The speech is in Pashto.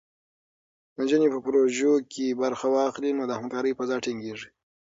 نجونې په پروژو کې برخه واخلي، نو د همکارۍ فضا ټینګېږي.